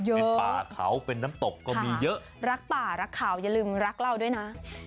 เยอะเป็นป่าเขาเป็นน้ำตกก็มีเยอะค่ะรักป่ารักขาวอย่าลืมรักเล่าด้วยน่ะ